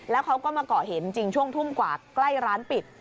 แล้วเขาก็มาเกาะเห็นจริงช่วงทุ่มกว่าใกล้ร้านปิด